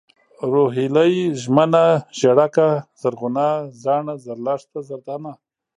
روهيلۍ ، ژمنه ، ژېړکه ، زرغونه ، زاڼه ، زرلښته ، زردانه